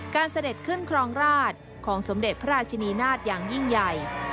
เสด็จขึ้นครองราชของสมเด็จพระราชินีนาฏอย่างยิ่งใหญ่